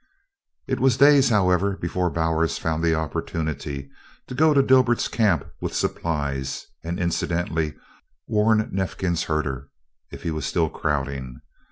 It was days, however, before Bowers found the opportunity to go to Dibert's camp with supplies and incidentally warn Neifkins's herder, if he was still crowding.